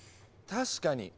確かに。